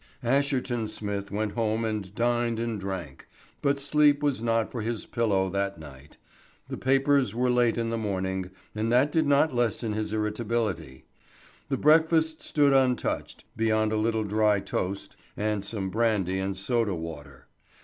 Asherton Smith went home and dined and drank; but sleep was not for his pillow that night. The papers were late in the morning, and that did not lessen his irritability. The breakfast stood untouched, beyond a little dry toast, and some brandy and soda water.